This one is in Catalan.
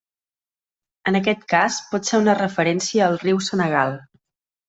En aquest cas, pot ser una referència al Riu Senegal.